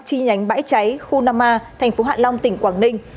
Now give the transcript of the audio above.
chi nhánh bãi cháy khu năm a tp hạ long tỉnh quảng ninh